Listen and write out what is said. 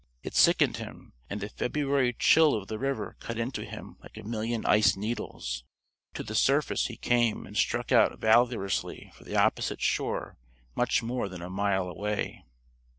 It sickened him. And the February chill of the river cut into him like a million ice needles. To the surface he came, and struck out valorously for the opposite shore much more than a mile away.